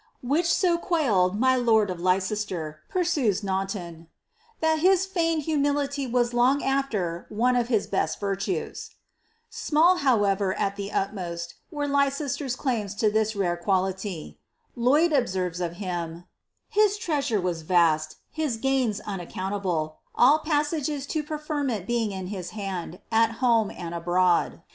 "* Which so quailed iny lord of Leicester," pursues Naunton, " that his feigned humility was long afler one of his best virtues."* Small, however, al the utmost, were Leicester's claims lo ihis rare quality. Lloyd observes of him, ''Hi* treasure was vast, his gains unaccountable, all passages to prefei> meiit being in his hand, at home and abroad.